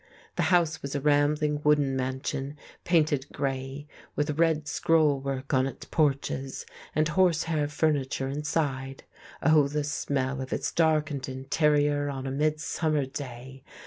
The house was a rambling, wooden mansion painted grey, with red scroll work on its porches and horsehair furniture inside. Oh, the smell of its darkened interior on a midsummer day!